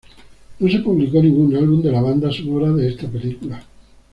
No se publicó ningún álbum de la banda sonora de esta película.